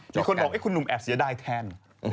มีคนบอกคุณหนุ่มแอบเสียดายแทน